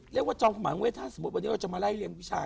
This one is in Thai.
เรียกว่าจอมหมางเวทาสมมุติวันนี้เราจะมาไล่เรียนวิชา